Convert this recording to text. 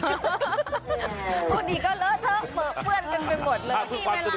ตอนนี้ก็ทิศเหมือนไปหมดเลย